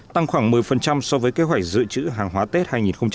tăng khoảng một mươi so với kế hoạch dự trữ hàng hóa tết hai nghìn một mươi sáu